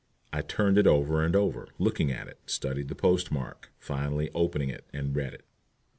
I turned it over and over, looked at it, studied the postmark, finally opened it and read it.